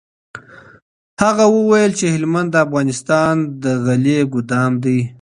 هغه وویل چي هلمند د افغانستان د غلې ګودام دی.